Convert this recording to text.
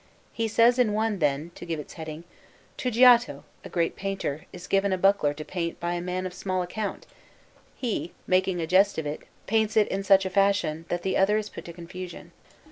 He says in one, then, to give it its heading: "To Giotto, a great painter, is given a buckler to paint by a man of small account. He, making a jest of it, paints it in such a fashion that the other is put to confusion."